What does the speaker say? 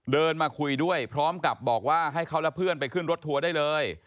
เดินมาคุยด้วยพร้อมกับบอกว่าให้เขาและเพื่อนไปขึ้นรถทัวร์ได้เลย